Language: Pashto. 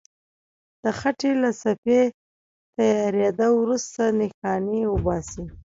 د خټې له صفحې تیارېدو وروسته نښانې وباسئ.